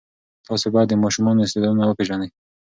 تاسې باید د ماشومانو استعدادونه وپېژنئ.